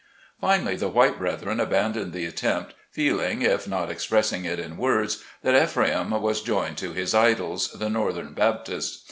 Finally, the white breth ren abandoned the attempt, feeling, if not express ing it in words, that "Ephraim was joined to his idols," the northern Baptists.